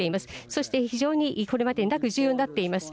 そして非常にこれまでになく重要になっています。